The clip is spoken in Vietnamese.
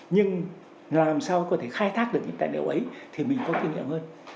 nhưng làm sao có thể khai thác được những tài liệu ấy thì mình có kinh nghiệm hơn